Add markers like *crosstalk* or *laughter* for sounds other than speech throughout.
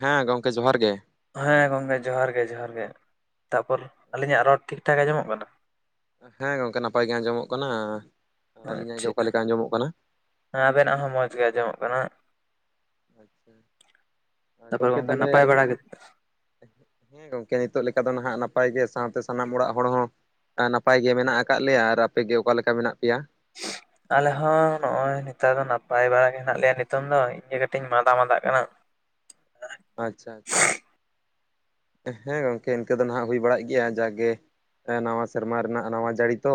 ᱦᱮᱸ ᱜᱚᱝᱠᱮ ᱡᱚᱦᱟᱨ ᱜᱮ᱾ ᱦᱮᱸ ᱜᱚᱝᱠᱮ ᱡᱚᱦᱟᱨ ᱜᱮ ᱡᱚᱦᱟᱨ ᱜᱮ, ᱛᱟᱯᱚᱨ ᱟᱹᱞᱤᱧᱟᱜ ᱨᱚᱲ ᱴᱷᱤᱠ ᱴᱷᱟᱠ ᱟᱸᱡᱚᱢᱚᱜ ᱠᱟᱱᱟ? ᱦᱮᱸ ᱜᱚᱝᱠᱮ ᱱᱟᱯᱟᱭ ᱜᱮ ᱟᱸᱡᱚᱢᱚᱜ ᱠᱟᱱᱟ, ᱟᱹᱞᱤᱧᱟᱜ ᱜᱮ ᱟᱪᱪᱷᱟ ᱚᱠᱟᱞᱮᱠᱟ ᱟᱸᱡᱚᱢᱚᱜ ᱠᱟᱱᱟ? ᱦᱮᱸ ᱟᱵᱮᱱᱟᱜ ᱦᱚᱸ ᱢᱚᱸᱡᱽ ᱜᱮ ᱟᱸᱡᱚᱢᱚᱜ ᱠᱟᱱᱟ᱾ ᱟᱪᱪᱷᱟ ᱛᱟᱯᱚᱨᱮ ᱜᱚᱝᱠᱮ ᱱᱟᱯᱟᱭ ᱵᱟᱲᱟᱜᱮᱛᱚ? ᱦᱮᱸ ᱜᱚᱝᱠᱮ ᱱᱤᱛᱚᱜ ᱞᱮᱠᱟ ᱫᱚ ᱱᱟᱦᱟᱸᱜ ᱱᱟᱯᱟᱭ ᱜᱮ ᱥᱟᱶᱛᱮ ᱥᱟᱱᱟᱢ ᱚᱲᱟᱜ ᱦᱚᱲ ᱦᱚᱸ ᱟ ᱱᱟᱯᱟᱭ ᱜᱮ ᱢᱮᱱᱟᱜ ᱠᱟᱫ ᱞᱮᱭᱟ, ᱟᱨ ᱟᱯᱮᱜᱮ ᱚᱠᱟ ᱞᱮᱠᱟ ᱢᱮᱱᱟᱜ ᱯᱮᱭᱟ? ᱟᱞᱮ ᱦᱚᱸ ᱱᱚᱜᱼᱚᱭ ᱱᱮᱛᱟᱨ ᱫᱚ ᱱᱟᱯᱟᱭ ᱵᱟᱲᱟ ᱜᱮ ᱦᱮᱸᱱᱟᱜ ᱞᱮᱭᱟ ᱱᱤᱛᱚᱝ ᱫᱚ ᱤᱧ ᱜᱮ ᱠᱟᱹᱴᱤᱡ ᱤᱧ ᱢᱟᱫᱟ ᱢᱟᱫᱟᱜ ᱠᱟᱱᱟ᱾ ᱟᱪᱪᱷᱟ ᱟᱪᱪᱷᱟ ᱦᱮᱸ ᱜᱚᱝᱠᱮ ᱤᱱᱠᱟᱹ ᱫᱚ ᱦᱟᱸᱜ ᱦᱩᱭ ᱵᱟᱲᱟᱜ ᱜᱮᱭᱟ ᱡᱟᱜᱮ ᱦᱮᱸ ᱱᱟᱣᱟ ᱥᱮᱨᱢᱟ ᱨᱮᱱᱟᱜ ᱱᱟᱣᱟ ᱡᱟᱹᱲᱤ ᱛᱚ,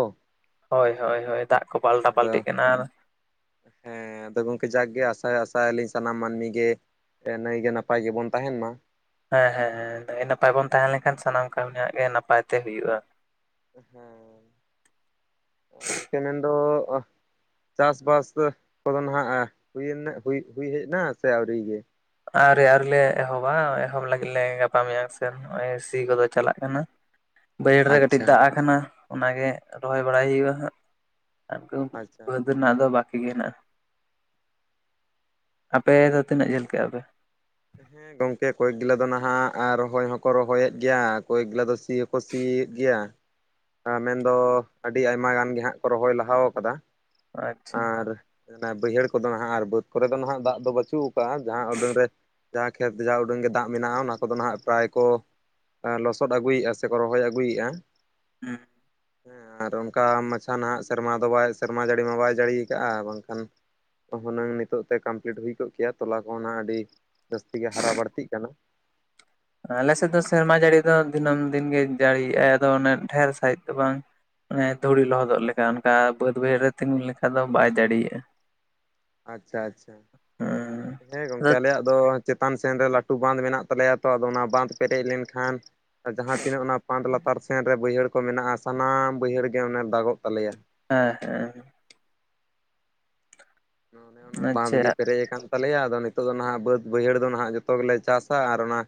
ᱦᱳᱭ ᱦᱳᱭ ᱦᱳᱭ ᱫᱟᱜ ᱠᱚ ᱦᱮᱸ ᱯᱟᱞᱴᱟ ᱟᱫᱚ ᱯᱟᱞᱴᱤᱜ ᱠᱟᱱᱟ᱾ ᱦᱮᱸ ᱟᱫᱚ ᱜᱚᱝᱠᱮ ᱡᱟᱠ ᱜᱮ ᱟᱥᱟᱭ ᱟᱥᱟᱭᱟᱞᱤᱧ ᱥᱟᱱᱟᱢ ᱢᱟᱹᱱᱢᱤ ᱜᱮ ᱱᱟᱹᱭᱜᱮ ᱱᱟᱯᱟᱭ ᱜᱮᱵᱚᱱ ᱛᱟᱦᱮᱱ ᱢᱟ, ᱦᱮᱸ ᱦᱮᱸᱮᱸ ᱱᱟᱭ ᱱᱟᱯᱟᱭ ᱵᱚᱱ ᱛᱟᱦᱮᱸ ᱞᱮᱱᱠᱷᱟᱱ ᱥᱟᱱᱟᱢ ᱠᱟᱹᱢᱤᱭᱟᱜ ᱜᱮ ᱱᱟᱯᱟᱭ ᱛᱮ ᱦᱩᱭᱩᱼᱟ ᱾ ᱦᱮᱸ ᱜᱚᱢᱠᱮ ᱢᱮᱱᱫᱚ ᱪᱟᱥᱵᱟᱥ ᱠᱚᱫᱚ ᱱᱟᱦᱟᱜ ᱦᱩᱭᱮᱱ ᱦᱩᱭ ᱦᱩᱭ ᱦᱮᱡ ᱮᱱᱟ ᱥᱮ ᱟᱹᱣᱨᱤ ᱜᱮ? ᱟᱹᱣᱨᱤ ᱟᱹᱣᱨᱤ ᱞᱮ ᱮᱦᱚᱵᱟ ᱮᱦᱚᱵ ᱞᱟᱹᱜᱤᱫ ᱞᱮ ᱜᱟᱯᱟ ᱢᱮᱭᱟᱝ ᱥᱮᱱ ᱱᱚᱭᱚ ᱥᱤ ᱠᱚᱫᱚ ᱪᱟᱞᱟᱜ ᱠᱟᱱᱟ ᱾ *unintelligible* ᱵᱟᱹᱭᱟᱹᱟᱹᱲ ᱨᱮ ᱠᱟᱹᱴᱤᱡ ᱟᱪᱪᱷᱟ ᱫᱟᱜ ᱟᱠᱟᱱᱟ ᱚᱱᱟᱜᱮ ᱨᱚᱦᱚᱭ ᱵᱟᱲᱟᱭ ᱦᱩᱭᱩᱼᱟ ᱦᱟᱸᱜ ᱟᱪᱪᱷᱟ ᱾ *unintelligible* ᱚᱱᱟ ᱫᱚ ᱵᱟᱠᱤ ᱜᱮ ᱦᱮᱱᱟᱜᱼᱟ, ᱟᱯᱮ ᱫᱚ ᱛᱤᱱᱟᱹᱜ ᱡᱷᱟᱹᱞ ᱠᱮᱭᱼᱟ ᱯᱮ? ᱦᱮᱸ ᱜᱚᱝᱠᱮ ᱠᱚᱭᱮᱠ ᱜᱮᱞᱟ ᱫᱚ ᱱᱟᱦᱟᱜ ᱨᱚᱦᱚᱭ ᱦᱚᱸᱠᱚ ᱨᱚᱦᱚᱭᱮᱫ ᱜᱮᱭᱟ ᱠᱚᱭᱠ ᱜᱮᱞᱟ ᱫᱚ ᱥᱤ ᱦᱚᱸᱠᱚ ᱥᱤᱭᱮᱫ ᱜᱮᱭᱟ ᱾ ᱢᱮᱱᱫᱚ ᱟᱹᱰᱤ ᱟᱭᱢᱟ ᱜᱟᱱ ᱜᱮ ᱦᱟᱸᱜ ᱠᱚ ᱨᱚᱦᱚᱭ ᱞᱟᱦᱟ ᱟᱠᱟᱫᱟ ᱟᱪᱪᱷᱟ ᱾ ᱟᱨ ᱵᱟᱹᱭᱦᱟᱹᱲ ᱠᱚᱫᱚ ᱦᱟᱸᱜ ᱟᱨ ᱵᱟᱹᱫᱽ ᱠᱚᱨᱮ ᱫᱚ ᱱᱟᱦᱜ ᱫᱟᱜ ᱫᱚ ᱵᱟᱹᱪᱩᱜ ᱡᱟᱦᱟᱸ ᱩᱰᱟᱹᱝ ᱨᱮ ᱡᱟᱦᱟᱸ ᱠᱷᱮᱛ ᱡᱟᱦᱟᱸ ᱩᱰᱟᱹᱝ ᱜᱮ ᱫᱟᱜ ᱢᱮᱱᱟᱜᱼᱟ ᱚᱱᱟ ᱠᱚᱫᱚ ᱱᱟᱦᱟᱜ ᱯᱮᱨᱟᱭ ᱠᱚ ᱞᱚᱥᱚᱫ ᱟᱹᱜᱩᱭᱮᱫᱼᱟ ᱥᱮᱠᱚ ᱨᱚᱦᱚᱭ ᱟᱹᱜᱩᱭᱮᱫᱼᱟ ᱾ ᱦᱩᱸ ᱦᱮᱸ ᱟᱨ ᱚᱱᱠᱟ ᱢᱟᱪᱷᱟ ᱱᱟᱦᱟᱜ ᱥᱮᱨᱢᱟ ᱫᱚ ᱵᱟᱭ ᱥᱮᱨᱢᱟ ᱡᱟᱹᱲᱤ ᱢᱟ ᱵᱟᱭ ᱡᱟᱹᱲᱤ ᱟᱠᱟᱭᱼᱟ, ᱵᱟᱝᱠᱷᱟᱱ ᱦᱩᱱᱟᱹᱝ ᱱᱤᱛᱚᱜ ᱛᱮ ᱠᱟᱢᱯᱞᱤᱴ ᱦᱩᱭ ᱠᱚᱜ ᱠᱮᱭᱟ ᱛᱚᱞᱟ ᱠᱚᱦᱚᱸ ᱚᱱᱟ ᱟᱹᱰᱤ ᱡᱟᱹᱥᱛᱤ ᱜᱮ ᱦᱟᱨᱟ ᱵᱟᱹᱲᱛᱤᱜ ᱠᱟᱱᱟ ᱾ ᱟᱞᱮ ᱥᱮᱫ ᱫᱚ ᱥᱮᱨᱢᱟ ᱡᱟᱹᱲᱤ ᱫᱚ ᱫᱤᱱᱟᱹᱢ ᱫᱤᱱᱜᱤ ᱡᱟᱹᱲᱤᱭᱟᱭ ᱟᱫᱚ ᱚᱱ ᱰᱷᱨ ᱥᱟᱺᱦᱤᱡ ᱫᱚ ᱵᱟᱝ ᱾ ᱮ ᱫᱷᱩᱲᱤ ᱞᱚᱦᱚᱫᱚᱜ ᱞᱮᱠᱟ ᱚᱱᱠᱟ ᱵᱟᱹᱫ ᱵᱟᱹᱭᱦᱟᱹᱲ ᱨᱮ ᱛᱤᱸᱜᱩ ᱞᱮᱠᱷᱟ ᱫᱚ ᱵᱟᱭ ᱫᱟᱲᱤᱭᱮᱼᱟ ᱾ ᱟᱪᱪᱷᱟ ᱟᱪᱪᱷᱟ, ᱦᱮᱸ ᱜᱚᱢᱠᱮ ᱟᱞᱮᱭᱟᱜ ᱫᱚ ᱪᱮᱛᱟᱱ ᱥᱮᱱ ᱨᱮ ᱞᱟᱹᱴᱩ ᱵᱟᱸᱫᱷ ᱢᱮᱱᱟᱜ ᱛᱟᱞᱮᱭᱟ ᱛᱚ ᱟᱫᱚ ᱚᱱᱟ ᱵᱟᱸᱫ ᱯᱮᱨᱮᱡ ᱞᱮᱱᱠᱷᱟᱱ ᱟᱨ ᱡᱟᱦᱟᱸ ᱛᱤᱱᱟᱹᱜ ᱚᱱᱟ ᱯᱟᱱᱫ ᱞᱟᱛᱟᱨ ᱥᱮᱱ ᱨᱮ ᱵᱟᱹᱭᱦᱟᱹᱲ ᱠᱚ ᱢᱮᱱᱟᱜᱼᱟ ᱥᱟᱱᱟᱢ ᱵᱟᱹᱭᱦᱟᱹᱲ ᱜᱮ ᱚᱱᱮ ᱫᱟᱜᱚᱜ ᱛᱟᱞᱮᱭᱟ ᱾ ᱦᱮᱸ ᱦᱮᱸ ᱮ ᱚᱱᱮ ᱚᱱᱟ ᱵᱟᱸᱫᱽ ᱟᱪᱪᱷᱟ ᱜᱮ ᱯᱮᱨᱮᱡ ᱟᱠᱟᱱ ᱛᱟᱞᱮᱭᱟ ᱟᱫᱚ ᱱᱤᱛᱚᱜ ᱫᱚ ᱱᱟᱦᱟᱸᱜ ᱵᱟᱹᱫᱽ ᱵᱟᱹᱭᱦᱟᱹᱲ ᱫᱚ ᱱᱟᱦᱟᱸᱜ ᱡᱚᱛᱚ ᱜᱮᱞᱮ ᱪᱟᱥᱟ ᱟᱨ ᱚᱱᱟ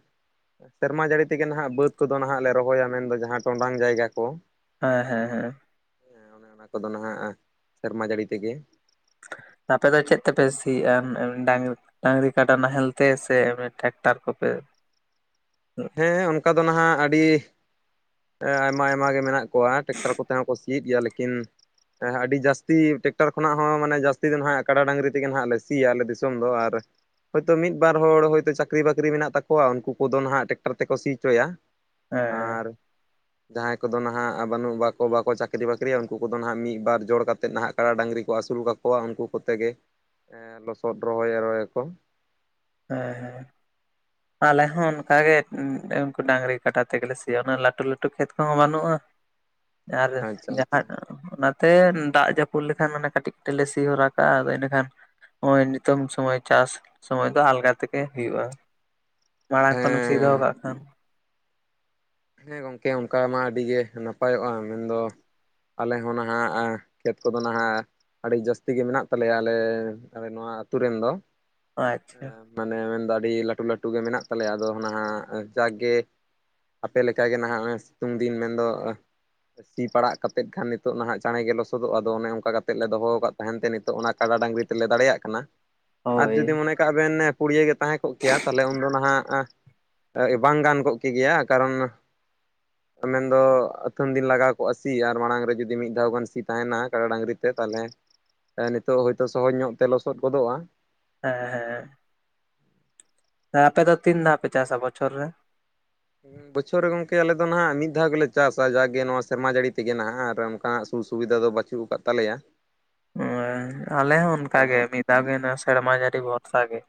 ᱥᱮᱨᱢᱟ ᱡᱟᱹᱲᱤ ᱛᱮᱜᱮ ᱱᱟᱦᱟᱸᱜ ᱵᱟᱹᱫᱽ ᱠᱚᱫᱚ ᱱᱟᱦᱟᱜ ᱞᱮ ᱨᱚᱦᱚᱭᱟ ᱢᱮᱱᱫᱚ ᱡᱟᱦᱟᱸ ᱴᱚᱸᱰᱟᱝ ᱡᱟᱭᱜᱟ ᱠᱚ ᱾ ᱦᱮᱸ ᱦᱮᱸ ᱦᱮᱸ ᱦᱮᱸ ᱚᱱᱮ ᱚᱱᱟ ᱠᱚᱫᱚ ᱱᱟᱦᱟᱸᱜ ᱥᱮᱨᱢᱟ ᱡᱟᱹᱲᱤ ᱛᱮᱜᱮ ᱟᱯᱮ ᱫᱚ ᱪᱮᱫ ᱛᱮᱯᱮ ᱥᱤᱭᱮᱼᱟ ᱰᱟᱝᱨᱤ ᱰᱟᱝᱨᱤ ᱠᱟᱰᱟ ᱱᱟᱦᱮᱞᱛᱮ ᱥᱮ ᱚᱱᱮ ᱴᱮᱠᱴᱟᱨ ᱠᱚᱛᱮ? ᱦᱮᱸ ᱚᱱᱠᱟ ᱫᱚ ᱱᱟᱦᱟᱜ ᱟᱹᱰᱤ ᱦᱮᱸ ᱟᱭᱢᱟ ᱟᱭᱢᱟ ᱜᱮ ᱢᱮᱱᱟᱜ ᱠᱚᱣᱟ ᱴᱮᱠᱴᱟᱨ ᱠᱚᱛᱮ ᱦᱚᱸᱠᱚ ᱥᱤᱭᱮᱫ ᱜᱮᱭᱟ, ᱞᱮᱠᱤᱱ ᱦᱮᱸ ᱟᱹᱰᱤ ᱡᱟᱹᱥᱛᱤ ᱴᱮᱠᱴᱟᱨ ᱠᱷᱚᱱᱟᱜ ᱦᱚᱸ ᱢᱟᱱᱮ ᱡᱟᱹᱥᱛᱤ ᱫᱚ ᱱᱟᱦᱟᱜ ᱠᱟᱰᱟ ᱰᱟᱝᱨᱤ ᱛᱮᱜᱮ ᱦᱟᱜ ᱞᱮ ᱥᱤᱭᱟ ᱟᱞᱮ ᱫᱤᱥᱚᱢ ᱫᱚ, ᱟᱨ ᱦᱚᱭᱛᱳ ᱢᱤᱫ ᱵᱟᱨ ᱦᱚᱲ ᱦᱚᱳᱭᱛᱳ ᱪᱟᱹᱠᱨᱤ ᱵᱟᱹᱠᱨᱤ ᱢᱮᱱᱟᱜ ᱛᱟᱠᱚᱣᱟ ᱩᱱᱠᱩ ᱠᱚᱫᱚ ᱱᱟᱦᱟᱜ ᱴᱮᱠᱴᱟᱨ ᱛᱮᱠᱚ ᱥᱤ ᱚᱪᱚᱭᱟ, ᱟᱨ ᱦᱮᱸ ᱡᱟᱦᱟᱸᱭ ᱠᱚᱫᱚ ᱱᱟᱦᱟᱜ ᱵᱟᱹᱱᱩᱜ ᱵᱟᱠᱚ ᱵᱟᱠᱚ ᱪᱟᱹᱠᱨᱤ ᱵᱟᱹᱠᱨᱤᱭᱟ ᱩᱱᱠᱩ ᱠᱚᱫᱚ ᱱᱟᱦᱟᱜ ᱢᱤᱫ ᱵᱟᱨ ᱡᱚᱲ ᱠᱟᱛᱮᱫ ᱱᱟᱦᱟᱜ ᱠᱟᱲᱟ ᱰᱟᱹᱝᱨᱤ ᱠᱚ ᱟᱹᱥᱩᱞ ᱠᱟᱠᱚ ᱠᱚᱣᱟ ᱩᱱᱠᱩ ᱠᱚᱛᱮ ᱜᱮ ᱞᱚᱥᱚᱫ ᱨᱚᱦᱚᱭ ᱟᱠᱚ ᱾ ᱦᱮᱸ ᱦᱮᱸ *unintelligible* ᱟᱞᱮ ᱦᱚᱸ ᱚᱱᱠᱟᱜᱮ ᱩᱱᱠᱩ ᱰᱟᱝᱨᱤ ᱠᱟᱰᱟ ᱛᱮᱜᱮᱞᱮ ᱥᱤᱭᱟ ᱚᱱᱟ ᱞᱟᱹᱴᱩ ᱞᱟᱹᱴᱩ ᱠᱷᱮᱛ ᱠᱚᱦᱚᱸ ᱵᱟᱹᱱᱩᱜᱼᱟ ᱾ ᱟᱨ ᱟᱪᱪᱷᱟ ᱟᱪᱪᱷᱟ ᱡᱟᱦᱟᱸ ᱚᱱᱟᱛᱮ ᱫᱟᱜ ᱡᱟᱹᱯᱩᱫ ᱞᱮᱠᱷᱟᱱ ᱢᱟᱱᱮ ᱠᱟᱹᱴᱤᱡ ᱠᱟᱹᱴᱤᱡ ᱛᱮᱞᱮ ᱥᱤ ᱦᱚᱨᱟ ᱠᱟᱜᱼᱟ ᱟᱫᱚ ᱤᱱᱟᱹᱠᱷᱟᱱ ᱦᱚᱭ ᱱᱤᱛᱚᱝ ᱥᱚᱢᱚᱭ ᱪᱟᱥ ᱥᱚᱢᱚᱭ ᱫᱚ ᱟᱞᱜᱟ ᱛᱮᱜᱮ ᱦᱩᱭᱩᱜᱼᱟ, ᱢᱟᱲᱟᱝ ᱠᱷᱚᱱᱮᱢ ᱥᱤ ᱫᱚᱦᱚ ᱦᱮᱸ ᱠᱟᱜ ᱠᱷᱟᱱ ᱦᱮᱸ ᱜᱚᱝᱠᱮ ᱚᱱᱠᱟ ᱢᱟ ᱟᱹᱰᱤᱜᱮ ᱱᱟᱯᱟᱭᱚᱜᱼᱟ, ᱢᱮᱱᱫᱚ ᱟᱞᱮ ᱦᱚᱸ ᱱᱷᱟᱜ ᱟ ᱠᱷᱮᱛ ᱠᱚᱫᱚ ᱱᱟᱦᱟ ᱟᱹᱰᱤ ᱡᱟᱹᱥᱛᱤ ᱜᱮ ᱢᱮᱱᱟᱜ ᱛᱟᱞᱮᱭᱟ ᱟᱞᱮ ᱟᱞᱮ ᱱᱚᱣᱟ ᱟᱹᱛᱩ ᱨᱮᱱ ᱫᱚ ᱟᱪᱪᱷᱟ ᱦᱮᱸᱢᱟᱱᱮ ᱢᱮᱱᱫᱚ ᱟᱹᱰᱤ ᱞᱟᱹᱴᱩ ᱞᱟᱹᱴᱩ ᱜᱮ ᱢᱮᱱᱟᱜ ᱛᱟᱞᱮᱭᱟ ᱟᱫᱚ ᱱᱟᱦᱟᱜ ᱡᱟᱠᱜᱮ ᱟᱯᱮ ᱞᱮᱠᱟᱜᱮ ᱱᱟᱦᱟᱜ ᱦᱚᱜ-ᱚᱭ ᱥᱤᱛᱩᱝ ᱫᱤᱱ ᱢᱮᱱᱫᱚ ᱥᱤ ᱯᱟᱲᱟᱜ ᱠᱟᱛᱮᱫ ᱠᱷᱟᱱ ᱱᱤᱛᱚᱜ ᱱᱟᱦᱟᱜ ᱪᱟᱬᱮ ᱜᱮ ᱞᱚᱥᱚᱫᱚᱜ ᱟᱫᱚ ᱚᱱᱮ ᱚᱱᱠᱟ ᱠᱟᱛᱮ ᱞᱮ ᱫᱚᱦᱚ ᱠᱟᱫ ᱛᱟᱦᱮᱱ ᱛᱮ ᱱᱤᱛᱚᱜ ᱚᱱᱟ ᱠᱟᱰᱟ ᱰᱟᱝᱨᱤ ᱛᱮᱞᱮ ᱫᱟᱲᱮᱭᱟᱜ ᱠᱟᱱᱟ ᱟᱨ ᱦᱳᱭ ᱡᱩᱫᱤ ᱢᱚᱱᱮ ᱠᱟᱜ ᱵᱮᱱ ᱯᱩᱲᱭᱟᱹ ᱜᱮ ᱛᱟᱦᱮᱸ ᱠᱚᱜ ᱠᱮᱭᱟ ᱛᱟᱦᱞᱮ ᱩᱱᱫᱚ ᱱᱟᱦᱟᱜ ᱵᱟᱝ ᱜᱟᱱ ᱠᱚᱜ ᱠᱮ ᱜᱮᱭᱟ ᱠᱟᱨᱚᱱ ᱢᱮᱱᱫᱚ ᱟᱹᱛᱷᱟᱹᱢ ᱫᱤᱱ ᱞᱟᱜᱟᱣ ᱠᱚᱜᱼᱟ ᱥᱤ ᱟᱨ ᱢᱟᱲᱟᱝ ᱨᱮ ᱡᱩᱫᱤ ᱢᱤᱫ ᱫᱷᱟᱣ ᱜᱟᱱ ᱥᱤ ᱛᱟᱦᱮᱱᱟ ᱠᱟᱰᱟ ᱰᱟᱝᱨᱤ ᱛᱮ ᱛᱟᱦᱞᱮ ᱮ ᱱᱤᱛᱚᱜ ᱦᱳᱭᱛᱳ ᱥᱚᱦᱚᱡᱽ ᱧᱚᱜ ᱛᱮ ᱞᱚᱥᱚᱫ ᱜᱚᱫᱚᱜᱼᱟ ᱦᱮᱸ ᱦᱮᱸ ᱦᱮᱸ ᱟᱯᱮ ᱫᱚ ᱛᱤᱱ ᱫᱷᱟᱣ ᱯᱮ ᱪᱟᱥᱟ ᱵᱚᱪᱷᱚᱨ ᱨᱮ? *unintelligible* ᱵᱚᱪᱷᱚᱨ ᱨᱮ ᱜᱚᱝᱠᱮ ᱟᱞᱮ ᱫᱚ ᱱᱟᱦᱟᱜ ᱢᱤᱫ ᱫᱷᱟᱣ ᱜᱮᱞᱮ ᱪᱟᱥᱟ ᱡᱟᱜᱮ ᱱᱚᱣᱟ ᱥᱮᱨᱢᱟ ᱡᱟᱹᱲᱤ ᱛᱮᱜᱮ ᱱᱟᱦᱟᱜ ᱟᱨ ᱚᱱᱠᱟᱱᱟᱜ ᱥᱩ-ᱥᱩᱵᱤᱫᱷᱟ ᱫᱚ ᱵᱟᱹᱪᱩᱜ ᱠᱟᱫ ᱛᱟᱞᱮᱭᱟ ᱦᱮᱸ ᱟᱞᱮ ᱦᱚᱸ ᱚᱱᱠᱟᱜᱮ ᱚᱱᱠᱟᱱᱟᱜ ᱢᱤᱫ ᱫᱷᱟᱣ ᱜᱮ ᱱᱚᱣᱟ ᱥᱮᱨᱢᱟ ᱡᱟᱹᱲᱤ ᱵᱷᱚᱨᱥᱟ ᱜᱮ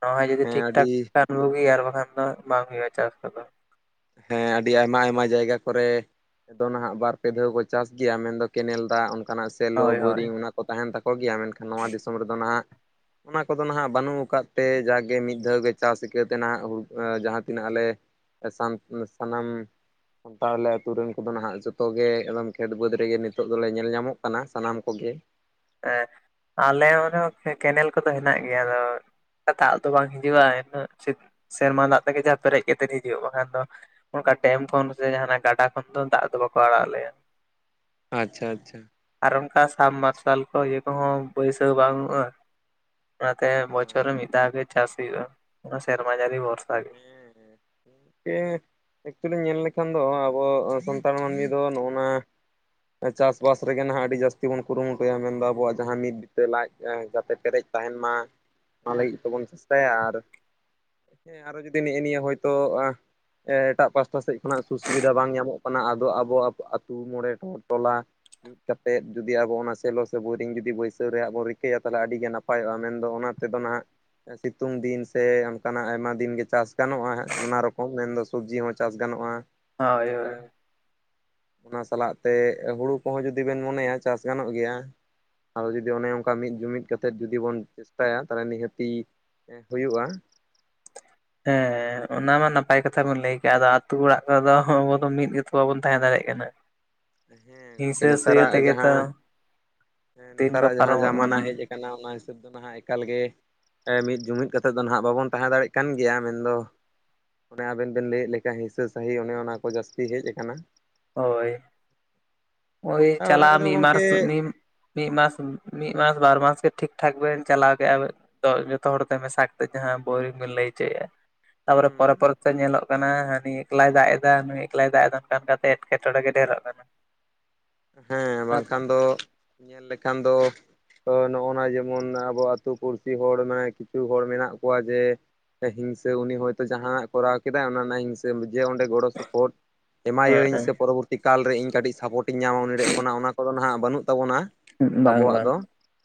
ᱱᱚᱣᱟ ᱡᱩᱫᱤ ᱦᱮᱸ ᱴᱷᱤᱠ ᱟᱹᱰᱤ ᱴᱷᱟᱠ *inaudible* ᱵᱩᱜᱤ ᱟᱨ ᱵᱟᱠᱷᱟᱱ ᱫᱚ ᱵᱟᱝ ᱦᱩᱭᱩᱜᱼᱟ ᱪᱟᱥ ᱠᱚᱫᱚ ᱦᱮᱸ ᱟᱹᱰᱤ ᱟᱭᱢᱟ ᱟᱭᱢᱟ ᱡᱟᱭᱜᱟ ᱠᱚᱨᱮ ᱟᱫᱚ ᱱᱟᱦᱟᱜ ᱵᱟᱨ ᱯᱮ ᱫᱷᱟᱣ ᱠᱚ ᱪᱟᱥ ᱜᱮᱭᱟ ᱢᱮᱱᱫᱚ ᱠᱮᱱᱮᱞ ᱫᱟᱜ ᱚᱱᱠᱟᱱᱟᱜ ᱥᱮᱞᱳ ᱦᱳᱭ ᱦᱳᱭ ᱵᱳᱨᱤᱝ ᱚᱱᱟ ᱠᱚ ᱛᱟᱦᱮᱱ ᱛᱟᱠᱚ ᱜᱮᱭᱟ ᱢᱮᱱᱠᱷᱟᱱ ᱱᱚᱣᱟ ᱫᱤᱥᱚᱢ ᱨᱮᱫᱚ ᱱᱟᱦᱟᱜ ᱚᱱᱟ ᱠᱚᱫᱚ ᱱᱟᱦᱟᱜ ᱵᱟᱹᱱᱩᱜ ᱟᱠᱟᱫ ᱛᱮ ᱡᱟᱜᱮ ᱢᱤᱫ ᱫᱷᱟᱹᱣ ᱜᱮ ᱪᱟᱥ ᱤᱠᱟᱹᱣᱛᱮ ᱱᱟᱦᱟᱜ ᱦᱩᱲᱩ ᱡᱟᱦᱟᱸ ᱛᱤᱱᱟᱹᱜ ᱟᱞᱮ ᱮ ᱥᱟᱱ, ᱥᱟᱱᱟᱢ ᱛᱟᱦᱞᱮ ᱟᱹᱛᱩ ᱨᱮᱱ ᱠᱚᱫᱚ ᱱᱟᱦᱟᱸᱜ ᱡᱚᱛᱚ ᱜᱮ ᱮᱠᱫᱚᱢ ᱠᱷᱮᱛ ᱵᱟᱹᱫᱽ ᱨᱮᱜᱮ ᱱᱤᱛᱚᱜ ᱫᱚᱞᱮ ᱧᱮᱞ ᱧᱟᱢᱚᱜ ᱠᱟᱱᱟ ᱥᱟᱱᱟᱢ ᱠᱚᱜᱮ ᱦᱮᱸ ᱟᱞᱮ ᱚᱱᱟ ᱦᱮᱸ *unintelligible* ᱠᱮᱱᱮᱞ ᱠᱚᱫᱚ ᱦᱮᱱᱟᱜ ᱜᱮᱭᱟ ᱟᱫᱚ ᱫᱟᱜ ᱫᱚ ᱵᱟᱝ ᱦᱤᱡᱩᱜᱼᱟ ᱩᱱᱟᱹᱜ ᱥᱮ ᱥᱮᱨᱢᱟ ᱫᱟᱜ ᱛᱮᱜᱮ ᱡᱟ ᱯᱮᱨᱮᱡ ᱠᱟᱛᱮ ᱦᱤᱡᱩᱜ ᱵᱟᱠᱷᱟᱱ ᱫᱚ ᱚᱱᱠᱟ ᱰᱮᱢ ᱠᱷᱚᱱ ᱥᱮ ᱡᱟᱦᱟᱸᱱᱟᱜ ᱜᱟᱰᱟ ᱠᱷᱚᱱ ᱫᱚ ᱫᱟᱜ ᱫᱚ ᱵᱟᱠᱚ ᱟᱲᱟᱜ ᱟᱞᱮᱭᱟ ᱟᱪᱪᱷᱟ ᱟᱪᱪᱷᱟ ᱟᱨ ᱚᱱᱠᱟ ᱥᱟᱵᱢᱟᱨᱥᱟᱞ ᱠᱚ ᱤᱭᱟᱹ ᱠᱚᱦᱚᱸ ᱵᱟᱹᱭᱥᱟᱹᱣ ᱵᱟᱝᱩᱜᱼᱟ ᱚᱱᱟᱛᱮ ᱵᱚᱪᱷᱚᱨ ᱨᱮ ᱢᱤᱫ ᱫᱷᱟᱣ ᱜᱮ ᱪᱟᱥ ᱦᱩᱭᱩᱜᱼᱟ, ᱚᱱᱟ ᱥᱮᱨᱢᱟ ᱡᱟᱲᱤ ᱵᱷᱚᱨᱥᱟ ᱜᱮ ᱦᱮᱸ ᱦᱮᱸ ᱦᱮᱸ ᱦᱮᱸ ᱮᱠᱪᱩᱭᱮᱞᱤ ᱧᱮᱞ ᱞᱮᱠᱷᱟᱱ ᱫᱚ ᱟᱵᱚ ᱥᱟᱱᱛᱟᱲ ᱢᱟᱹᱱᱢᱤ ᱫᱚ ᱱᱚᱜᱼᱱᱟ ᱪᱟᱥᱵᱟᱥ ᱨᱮᱜᱮ ᱱᱟᱦᱟᱸᱜ ᱟᱹᱰᱤ ᱡᱟᱹᱥᱛᱤ ᱵᱚᱱ ᱠᱩᱨᱩᱢᱩᱴᱩᱭᱟ ᱢᱮᱱᱫᱚ ᱟᱵᱚᱣᱟᱜ ᱡᱟᱦᱟᱸ ᱢᱤᱫ ᱵᱤᱛᱟᱹ ᱞᱟᱡ ᱡᱟᱛᱮ ᱯᱮᱨᱮᱡ ᱛᱟᱦᱮᱱ ᱢᱟ, ᱚᱱᱟ ᱞᱟᱹᱜᱤᱫ ᱛᱮᱵᱚᱱ ᱪᱮᱥᱴᱟᱭᱟ ᱟᱨ ᱦᱮᱸ ᱟᱨᱚ ᱡᱩᱫᱤ ᱱᱤᱜᱼᱤ ᱱᱤᱭᱟᱹ ᱦᱚᱭᱛᱳ ᱟ ᱮᱴᱟᱜ ᱯᱟᱥᱴᱟ ᱥᱮᱫ ᱠᱷᱚᱱᱟᱜ ᱥᱩ-ᱥᱩᱵᱤᱫᱷᱟ ᱵᱟᱝ ᱧᱟᱢᱚᱜ ᱠᱟᱱᱟ ᱟᱫᱚ ᱟᱵᱚ ᱟᱵᱚ ᱟᱹᱛᱩ ᱢᱚᱬᱮ *unintelligible* ᱴᱚᱞᱟ ᱢᱤᱫ ᱠᱟᱛᱮᱫ ᱡᱩᱫᱤ ᱟᱵᱚ ᱚᱱᱟ ᱥᱮᱞᱳ ᱥᱮ ᱵᱳᱨᱤᱝ ᱡᱩᱫᱤ ᱵᱟᱹᱭᱥᱟᱹᱣ ᱨᱮᱭᱟᱜ ᱵᱚ ᱨᱤᱠᱟᱹᱭᱟ ᱛᱟᱦᱞᱮ ᱟᱹᱰᱤᱜᱮ ᱱᱟᱯ ᱱᱟᱯᱟᱭᱚᱜᱼᱟ ᱢᱮᱱᱫᱚ ᱚᱱᱟ ᱛᱮᱫᱚ ᱱᱟᱜ ᱥᱤᱛᱩᱝ ᱫᱤᱱ ᱥᱮ ᱚᱱᱠᱟᱱᱟᱜ ᱟᱭᱢᱟ ᱫᱤᱱ ᱜᱮ ᱪᱟᱥ ᱜᱟᱱᱚᱜᱼᱟ, ᱱᱟᱱᱟ ᱨᱚᱠᱚᱢ ᱢᱮᱱᱫᱚ ᱥᱚᱵᱽᱡᱤ ᱦᱚᱸ ᱪᱟᱥ ᱜᱟᱱᱚᱜᱼᱟ᱾ ᱦᱳᱭ ᱟ ᱦᱳᱭ ᱚᱱᱟ ᱥᱟᱞᱟᱜ ᱛᱮ ᱦᱩᱲᱩ ᱠᱚᱦᱚᱸ ᱡᱩᱫᱤ ᱵᱮᱱ ᱢᱚᱱᱮᱭᱟ ᱪᱟᱥ ᱜᱟᱱᱚᱜ ᱜᱮᱭᱟ᱾ ᱟᱫᱚ ᱡᱩᱫᱤ ᱚᱱᱮ ᱚᱱᱠᱟ ᱢᱤᱫ ᱡᱩᱢᱤᱫ ᱠᱟᱛᱮᱫ ᱡᱩᱫᱤ ᱵᱚᱱ ᱪᱮᱥᱴᱟᱭᱟ ᱛᱟᱦᱞᱮ ᱱᱤᱦᱟᱹᱛᱤ ᱮᱸ ᱦᱳᱭᱳᱜ-ᱟ᱾ ᱦᱮᱸ ᱚᱱᱟ ᱢᱟ ᱱᱟᱯᱟᱭ ᱠᱟᱛᱷᱟ ᱵᱚᱱ ᱞᱟᱹᱭ ᱠᱮᱜ ᱟᱫᱚ ᱟᱛᱳ ᱦᱚᱲᱟᱜ ᱠᱚᱨᱮᱫᱚ ᱟᱵᱚ ᱫᱚ ᱢᱤᱫ ᱜᱮᱛᱚ ᱵᱟᱵᱚᱱ ᱛᱟᱦᱮᱸ ᱫᱟᱲᱮᱜ ᱠᱟᱱᱟ᱾ ᱦᱮᱸ ᱜᱚᱝᱠᱮ ᱦᱤᱝᱥᱟᱹ ᱥᱩᱭᱟᱹ ᱱᱮᱛᱟᱨᱟᱜ ᱛᱮᱜᱮ ᱛᱚ ᱡᱟᱦᱟᱸ, ᱦᱮᱸ ᱫᱤᱱ ᱠᱚ ᱱᱮᱛᱟᱨᱟᱜ ᱡᱟᱦᱟᱸ ᱯᱟᱨᱚᱢᱚᱜ ᱡᱟᱢᱟᱱᱟ ᱦᱮᱡ ᱠᱟᱱᱟ ᱚᱱᱟ ᱦᱤᱥᱟᱹᱵ ᱫᱚ ᱱᱟᱦᱟᱜ ᱮᱠᱟᱞ ᱜᱮ ᱦᱮᱸ ᱢᱤᱫ ᱡᱩᱢᱤᱫ ᱠᱟᱛᱮᱫ ᱫᱚ ᱱᱟᱦᱟᱸᱜ ᱵᱟᱵᱚᱱ ᱛᱟᱦᱮᱸ ᱫᱟᱲᱮᱜ ᱠᱟᱱ ᱜᱮᱭᱟ ᱢᱮᱱᱫᱚ ᱚᱱᱮ ᱟᱵᱮᱱ ᱵᱮᱱ ᱞᱟᱹᱭᱮᱜ ᱞᱮᱠᱟ ᱦᱤᱸᱥᱟᱹ ᱥᱟᱹᱦᱤᱡ ᱚᱱᱮ ᱚᱱᱟ ᱠᱚ ᱡᱟᱹᱥᱛᱤ ᱦᱮᱡ ᱟᱠᱟᱱᱟ᱾ ᱦᱳᱭ, ᱳᱭ ᱟᱨ ᱚᱱᱟ ᱪᱟᱞᱟᱜ ᱠᱚᱫᱚ ᱢᱤᱨ ᱜᱚᱝᱠᱮ ᱢᱟᱨᱥ ᱢᱤ ᱢᱤᱫ ᱢᱟᱥ, ᱢᱤᱫ ᱢᱟᱥ ᱵᱟᱨ ᱢᱟᱥ ᱜᱮ ᱴᱷᱤᱠ ᱴᱷᱟᱠ ᱵᱮᱱ ᱪᱟᱞᱟᱣ ᱠᱮᱜᱼᱟ᱾ ᱛᱚᱜᱡ ᱡᱷᱚᱛᱚ ᱦᱚᱲ ᱛᱮ ᱢᱮᱥᱟ ᱠᱟᱛᱮ ᱡᱟᱦᱟᱸ ᱵᱳᱨᱤ ᱵᱤᱱ ᱞᱟᱹᱭ ᱦᱚᱪᱚᱭᱮᱜ-ᱟ᱾ ᱛᱟᱯᱚᱨᱮ ᱯᱚᱨᱮ ᱦᱩᱸ ᱯᱚᱨᱮ ᱛᱮ ᱧᱮᱞᱚᱜ ᱠᱟᱱᱟ ᱦᱟᱱᱤ ᱮᱠᱞᱟᱭ ᱫᱟᱜ ᱮᱫᱟ ᱱᱩᱭ ᱮᱠᱞᱟᱭ ᱫᱟᱜ ᱮᱫᱟ ᱱᱚᱠᱟ ᱱᱚᱠᱟ ᱮᱴᱠᱮᱴᱚᱬᱮ ᱜᱮ ᱰᱷᱮᱨᱚᱜ ᱠᱟᱱᱟ ᱾ ᱦᱮᱸ ᱵᱟᱝᱠᱷᱟᱱ ᱫᱚ ᱧᱮᱞ ᱞᱮᱠᱷᱟᱱ ᱫᱚ ᱛᱚ ᱱᱚᱜᱼᱚᱱᱟ ᱡᱮᱢᱚᱱ ᱟᱵᱚ ᱟᱹᱛᱩ ᱯᱩᱲᱥᱤ ᱦᱚᱲ ᱢᱟᱱᱮ ᱠᱤᱪᱷᱩ ᱦᱚᱲ ᱢᱮᱱᱟᱜ ᱠᱚᱣᱟ ᱡᱮ ᱥᱮ ᱦᱤᱝᱥᱟ ᱩᱱᱤ ᱦᱚᱭᱛᱳ ᱡᱟᱦᱟᱸᱱᱟᱜ ᱠᱚᱨᱟᱣ ᱠᱮᱫᱟᱭ ᱚᱱᱟ ᱨᱮᱱᱟᱜ ᱦᱤᱝᱥᱟ ᱡᱮ ᱚᱸᱰᱮ ᱜᱚᱲᱚ ᱥᱚᱯᱚᱦᱚᱫ ᱮᱢᱟᱹᱭᱟᱧ ᱦᱮᱸ ᱥᱮ ᱯᱚᱨᱚᱵᱚᱨᱛᱤ ᱠᱟᱞᱨᱮ ᱤᱧ ᱠᱟᱹᱴᱤᱡ ᱥᱟᱯᱳᱴ ᱠᱟᱹᱡ ᱧᱟᱢᱟᱵᱚᱱ *unintelligible* ᱠᱷᱚᱱᱟᱜ ᱚᱱᱟ ᱠᱚᱫᱚ ᱱᱷᱟᱜ ᱵᱟᱹᱱᱩᱜ ᱛᱟᱵᱚᱱᱟ᱾ ᱦᱮᱸ ᱵᱟᱝ ᱟᱵᱚᱣᱟᱜ ᱵᱟᱝ ᱫᱚ᱾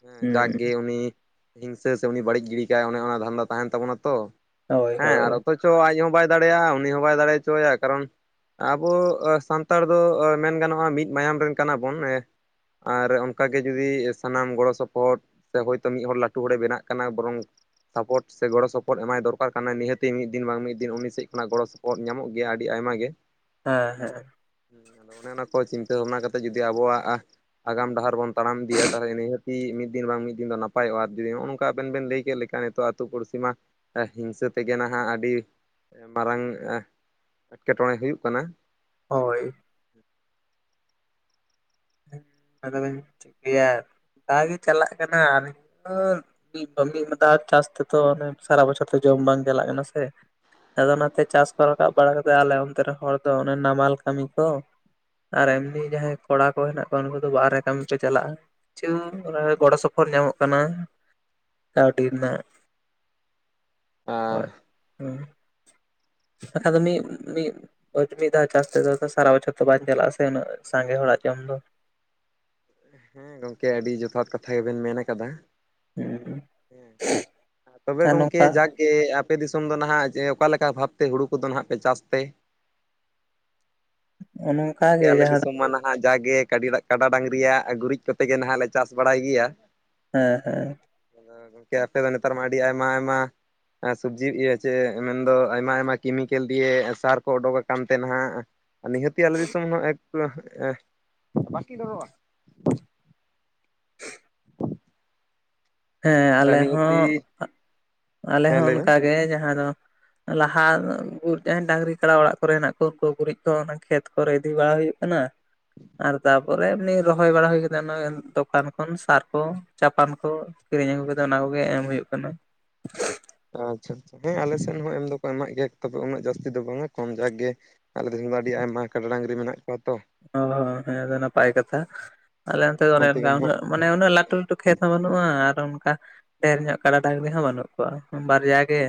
ᱦᱮᱸ᱾ ᱦᱩᱸ ᱡᱟᱠᱜᱮ ᱩᱱᱤ ᱦᱤᱝᱥᱟᱹ ᱥᱮ ᱩᱱᱤ ᱵᱟᱹᱲᱤᱡ ᱜᱤᱲᱤ ᱠᱟᱭ ᱚᱱᱮ ᱚᱱᱟ ᱫᱷᱟᱸᱱᱫᱟ ᱛᱟᱦᱮᱸᱱ ᱛᱟᱵᱚᱱᱟ ᱛᱚ, ᱦᱳᱭ ᱦᱮᱸ ᱦᱳᱭ ᱟᱨ ᱚᱛᱚ ᱪᱚ ᱟᱡ ᱦᱚᱸ ᱵᱟᱭ ᱫᱟᱲᱮᱭᱟᱜᱼᱟ, ᱩᱱᱤ ᱦᱚᱸ ᱵᱟᱭ ᱫᱟᱲᱮᱪᱚᱭᱟ᱾ ᱠᱟᱨᱚᱱ ᱟᱵᱚ ᱥᱟᱱᱛᱟᱲ ᱫᱚ ᱢᱮᱱ ᱜᱟᱱᱚᱜ-ᱟ ᱢᱤᱫ ᱢᱟᱭᱟᱢ ᱨᱮᱱ ᱠᱟᱱᱟ ᱵᱚᱱ ᱮᱸ ᱟᱨ ᱚᱱᱠᱟ ᱜᱮ ᱡᱩᱫᱤ, ᱥᱟᱱᱟᱢ ᱜᱚᱲᱚ ᱥᱚᱯᱚᱦᱚᱫ ᱥᱮ ᱦᱳᱭᱛᱚ ᱢᱤᱫ ᱦᱚᱲ ᱞᱟᱹᱴᱩ ᱦᱚᱲᱮ ᱵᱮᱱᱟᱜ ᱠᱟᱱᱟ ᱵᱚᱨᱚᱝ ᱥᱟᱯᱚᱴ ᱥᱮ ᱜᱚᱲᱚ ᱥᱚᱯᱚᱦᱚᱫ ᱮᱢᱟᱭ ᱫᱚᱨᱠᱟᱨ ᱠᱟᱱᱟᱭ ᱱᱤᱦᱟᱹᱛᱤ ᱢᱤᱫ ᱫᱤᱱ ᱵᱟᱝ ᱢᱤᱫ ᱫᱤᱱ ᱩᱱᱤ ᱥᱮᱫ ᱠᱷᱚᱱᱟᱜ ᱜᱚᱲᱚ ᱥᱚᱯ ᱳᱫ ᱧᱟᱢᱚᱜ ᱜᱮᱭᱟ, ᱟᱹᱰᱤ ᱟᱭᱢᱟ ᱜᱮ᱾ ᱦᱮᱸ ᱦᱮᱸ᱾ ᱦᱩᱸ ᱟᱫᱚ ᱚᱱᱮ ᱚᱱᱟ ᱠᱚ ᱪᱤᱱᱛᱟᱹ ᱵᱷᱟᱵᱱᱟ ᱠᱟᱛᱮᱫ ᱡᱩᱫᱤ ᱟᱵᱚᱣᱟᱜ ᱟᱜᱟᱢ ᱰᱟᱦᱟᱨ ᱵᱚᱱ ᱛᱟᱲᱟᱢ ᱤᱫᱤᱭᱟ, ᱛᱟᱦᱞᱮ ᱱᱤᱦᱟᱹᱛᱤ ᱢᱤᱫ ᱫᱤᱱ ᱵᱟᱝ ᱢᱤᱫ ᱫᱤᱱ ᱫᱚ ᱱᱟᱯᱟᱭᱚᱜᱼᱟ, ᱡᱩᱫᱤ ᱱᱚᱜᱼᱚ ᱱᱚᱝᱠᱟ ᱟᱵᱮᱱ ᱵᱮᱱ ᱞᱟᱹᱭ ᱠᱮᱜ ᱞᱮᱠᱟ᱾ ᱛᱚ ᱟᱛᱩ ᱯᱩᱲᱥᱤ ᱢᱟ ᱦᱤᱝᱥᱟᱹ ᱛᱮᱜᱮ ᱱᱟᱦᱟᱜ ᱟᱹᱰᱤ ᱢᱟᱨᱟᱝ ᱮᱴᱠᱮᱴᱚᱬᱮ ᱦᱩᱭᱩᱜ ᱠᱟᱱᱟ᱾ ᱦᱳᱭ᱾ *unintelligible* ᱪᱤᱠᱟᱹᱭᱟ ᱠᱟ ᱜᱮ ᱪᱟᱞᱟᱜ ᱠᱟᱱᱟ, ᱟᱨ *unintelligible* ᱪᱟᱥ ᱛᱮᱛᱚ ᱥᱟᱨᱟ ᱵᱚᱪᱷᱚᱨ ᱛᱚ ᱡᱚᱢ ᱵᱟᱝ ᱪᱟᱞᱟᱜ ᱠᱟᱱᱟ ᱥᱮ᱾ ᱟᱫᱚ ᱚᱱᱟᱛᱮ ᱪᱟᱥ ᱠᱚ ᱨᱟᱠᱟᱵ ᱵᱟᱲᱟ ᱠᱟᱛᱮ ᱟᱞᱮ ᱚᱱᱛᱮ ᱨᱮᱱ ᱦᱚᱲ ᱫᱚ ᱚᱱᱮ ᱱᱟᱢᱟᱞ ᱠᱟᱹᱢᱤ ᱠᱚ᱾ ᱟᱨ ᱮᱢᱱᱤ ᱡᱟᱦᱟᱸᱭ ᱠᱚᱲᱟ ᱠᱚ ᱦᱮᱱᱟᱜ ᱠᱚᱣᱟ ᱩᱱᱠᱩ ᱫᱚ ᱵᱟᱦᱨᱮ ᱠᱟᱹᱢᱤ ᱠᱚ ᱪᱟᱞᱟᱜᱼᱟ, ᱠᱤᱪᱷᱩ ᱨᱮ ᱜᱚᱲᱚ ᱥᱚᱯᱚᱦᱚᱫ ᱧᱟᱢᱚᱜ ᱠᱟᱱᱟ᱾ ᱠᱟᱣᱰᱤ ᱨᱮᱱᱟᱜ *inaudible* ᱵᱟᱠᱷᱟᱡ ᱫᱚ ᱢᱤᱫ ᱢᱤᱫ ᱳᱭ ᱢᱤᱫ ᱫᱷᱟᱣ ᱪᱟᱥ ᱛᱮᱫᱚ ᱥᱟᱨᱟ ᱵᱚᱪᱷᱚᱨ ᱛᱚ ᱵᱟᱭ ᱪᱟᱞᱟᱜᱼᱟ ᱥᱮ ᱩᱱᱟᱹᱜ ᱥᱟᱸᱜᱮ ᱦᱚᱲᱟᱜ ᱡᱚᱢ ᱫᱚ᱾ ᱦᱮᱸ ᱜᱚᱝᱠᱮ ᱟᱹᱰᱤ ᱡᱚᱛᱷᱟᱛ ᱠᱟᱛᱷᱟ ᱜᱮᱵᱮᱱ ᱢᱮᱱ ᱟᱠᱟᱫᱟ᱾ ᱦᱮᱸ ᱾ ᱦᱮᱸ᱾ ᱛᱚᱵᱮ ᱜᱚᱝᱠᱮ ᱡᱟᱠ ᱜᱮ ᱟᱯᱮ ᱫᱤᱥᱚᱢ ᱫᱚ ᱱᱷᱟᱜ ᱮ ᱚᱠᱟ ᱞᱮᱠᱟ ᱵᱷᱟᱵᱛᱮ ᱦᱩᱲᱩ ᱠᱚᱫᱚ ᱱᱷᱟᱜ ᱯᱮ ᱪᱟᱥ ᱛᱮ? ᱱᱚᱝᱠᱟ ᱜᱚᱢᱠᱮ ᱜᱮ ᱟᱞᱮ ᱡᱟᱦᱟᱸ ᱫᱤᱥᱚᱢ ᱢᱟ ᱱᱟᱦᱟᱜ ᱡᱟᱜᱮ ᱠᱟᱰᱤ ᱱᱟᱜ ᱠᱟᱰᱟ ᱰᱟᱝᱨᱤᱭᱟᱜ ᱜᱩᱨᱤᱡ ᱠᱚᱛᱮ ᱜᱮ ᱱᱟᱦᱟᱜ ᱞᱮ ᱪᱟᱥ ᱵᱟᱲᱟᱭ ᱜᱮᱭᱟ᱾ ᱦᱮᱸ ᱦᱮᱸ᱾ ᱜᱚᱝᱠᱮ ᱟᱯᱮ ᱢᱟ ᱱᱮᱛᱟᱨ ᱢᱟ ᱟᱹᱰᱤ ᱟᱹᱰᱤ ᱟᱭᱢᱟ ᱟᱭᱢᱟ ᱟᱸ ᱥᱚᱵᱽᱡᱤ ᱤᱭᱟᱹ ᱪᱮ ᱢᱮᱱᱫᱚ ᱟᱭᱢᱟ ᱟᱭᱢᱟ ᱠᱮᱢᱤᱠᱮᱞ ᱫᱤᱭᱮ ᱥᱟᱨ ᱠᱚ ᱚᱰᱩᱠ ᱟᱠᱟᱱ ᱛᱮ ᱱᱷᱟᱜ ᱱᱤᱦᱟᱹᱛᱤ ᱟᱞᱮ ᱫᱤᱥᱚᱢ ᱮᱠᱛᱚ ᱮ ᱵᱟᱠᱤ ᱜᱚᱫᱚᱜ-ᱟ ᱦᱮᱸ ᱟᱞᱮ ᱦᱚᱸ ᱱᱤᱦᱟᱹᱛᱤ ᱟᱞᱮ ᱦᱮᱸ ᱦᱚᱸ ᱞᱟᱹᱭ ᱵᱮᱱ ᱚᱱᱠᱟᱜᱮ ᱡᱟᱦᱟᱸ ᱫᱚ ᱞᱟᱦᱟ *unintelligible* ᱛᱟᱦᱮᱱ ᱰᱟᱝᱨᱤ ᱠᱟᱰᱟ ᱚᱲᱟᱜ ᱠᱚᱨᱮ ᱦᱮᱱᱟᱜ ᱠᱚ ᱜᱩᱨᱤᱡ ᱠᱚ ᱚᱱᱟ ᱠᱷᱮᱛ ᱠᱚᱨᱮ ᱤᱫᱤ ᱵᱟᱲᱟ ᱦᱩᱭᱩᱜ ᱠᱟᱱᱟ ᱟᱨ ᱛᱟᱯᱚᱨᱮ ᱮᱢᱱᱤ ᱨᱚᱦᱚᱭ ᱵᱟᱲᱟ ᱦᱩᱭ ᱠᱟᱛᱮ ᱱᱚᱜ-ᱚᱭ ᱛᱚᱠᱛᱟᱱ ᱠᱷᱚᱱ ᱥᱟᱨ ᱠᱚ ᱪᱟᱯᱟᱱ ᱠᱚ ᱠᱤᱨᱤᱧ ᱟᱹᱜᱩ ᱠᱟᱛᱮ ᱚᱱᱟ ᱠᱚᱜᱮ ᱮᱢ ᱦᱩᱭᱩᱜ ᱠᱟᱱᱟ ᱟᱪᱪᱷᱟ ᱟᱪᱪᱷᱟ ᱦᱮᱸ ᱟᱞᱮ ᱥᱮᱱ ᱦᱚᱸ ᱮᱢ ᱫᱚᱠᱚ ᱮᱢᱟᱜ ᱜᱮᱭᱟ ᱛᱚᱵᱮ ᱩᱱᱟᱹᱜ ᱡᱟᱹᱥᱛᱤ ᱫᱚ ᱵᱟᱝ-ᱟ ᱠᱚᱢ ᱡᱟᱠ ᱜᱮ ᱟᱞᱮ ᱨᱮᱱ ᱢᱟ ᱟᱹᱰᱤ ᱟᱭᱢᱟ ᱠᱟᱰᱟ ᱰᱟᱝᱨᱤ ᱢᱮᱱᱟᱜ ᱠᱚᱣᱟ ᱛᱚ ᱚᱸ ᱦᱮᱸ ᱫᱚ ᱱᱟᱯᱟᱭ ᱠᱟᱛᱷᱟ ᱟᱞᱮ ᱚᱱᱛᱮ ᱫᱚ ᱚᱱᱟ ᱚᱱᱮ ᱛᱮᱜᱮ ᱚᱱᱠᱟ ᱱᱟᱦᱟᱜ ᱩᱱᱟᱹᱜ ᱢᱟᱱᱮ ᱩᱱᱟᱹᱜ ᱞᱟᱹᱴᱩ ᱞᱟᱹᱴᱩ ᱠᱷᱮᱛ ᱦᱚᱸ ᱵᱟᱹᱱᱩᱜ-ᱟ ᱟᱨ ᱚᱱᱠᱟ ᱰᱷᱮᱨ ᱧᱚᱜ ᱠᱟᱰᱟ ᱰᱟᱝᱨᱤ ᱦᱚᱸ ᱵᱟᱹᱱᱩᱜ ᱠᱚᱣᱟ ᱵᱟᱨᱭᱟ ᱜᱮᱼᱼ